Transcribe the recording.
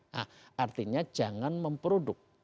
nah artinya jangan memproduk